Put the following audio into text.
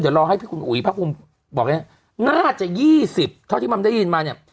เดี๋ยวรอให้พี่คุณอุ๋ยพระคุณบอกเนี้ยน่าจะยี่สิบเท่าที่มันได้ยินมาเนี้ย